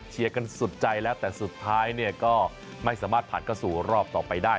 กันสุดใจแล้วแต่สุดท้ายเนี่ยก็ไม่สามารถผ่านเข้าสู่รอบต่อไปได้